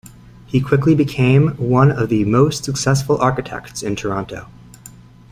He quickly became one of the most successful architects in Toronto.